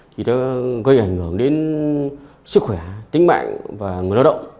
thì nó gây ảnh hưởng đến sức khỏe tính mạng và người lao động